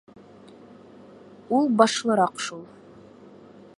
Ул башлыраҡ шул.